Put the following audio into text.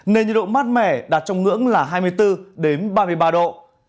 nên nhiệt độ mát mẻ đạt trong ngưỡng là hai mươi bốn ba mươi ba độ